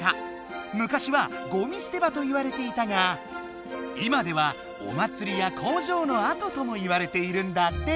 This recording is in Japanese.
昔はごみ捨て場といわれていたが今ではお祭りや工場のあとともいわれているんだって。